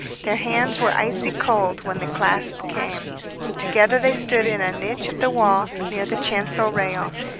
Their hands were icy cold when the clasp came. Together they stood in a niche of the wall near the chancel rail.